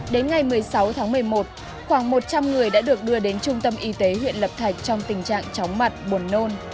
đến ngày một mươi sáu tháng một mươi một khoảng một trăm linh người đã được đưa đến trung tâm y tế huyện lập thạch trong tình trạng chóng mặt buồn nôn